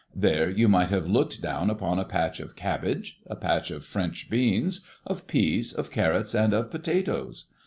There you might have looked down upon a patch of cabbage, a patch of French beans, of peas, of carrots, and of potatoes.